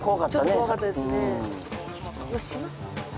ちょっと怖かったですね島？